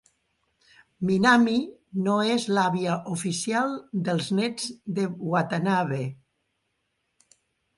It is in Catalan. Minami no és l'àvia oficial dels nets de Watanabe.